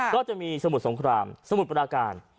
ก็จะมีสมุทรสงครามสมุทรปราการ